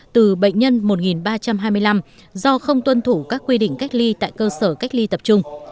từ bệnh nhân một ba trăm hai mươi năm do không tuân thủ các quy định cách ly tại cơ sở cách ly tập trung